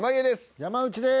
山内です。